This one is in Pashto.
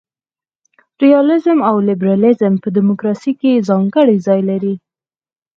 ریالیزم او لیبرالیزم په دموکراسي کي ځانګړی ځای لري.